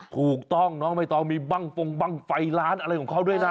ถูกต้องน้องไม่ต้องมีบ้างฟงบ้างไฟร้านอะไรของเขาด้วยนะ